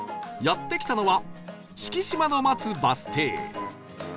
やって来たのは敷島の松バス停